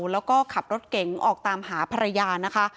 แล้วก็ขับรถเก๋งออกตามหาภรรยานะคะ